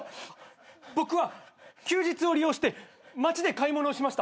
僕は休日を利用して街で買い物をしました。